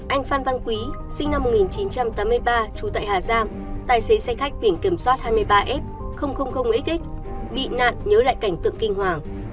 anh phan văn quý sinh năm một nghìn chín trăm tám mươi ba trú tại hà giang tài xế xe khách biển kiểm soát hai mươi ba f x bị nạn nhớ lại cảnh tượng kinh hoàng